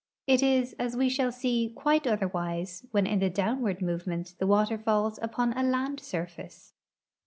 It is, as we shall see, quite otherwise when in the downward movement the water falls upon a land surface.